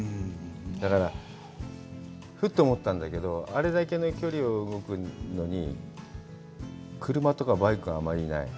だから、ふと思ったんだけど、あれだけの距離を動くのに車とかバイクがあまりいない。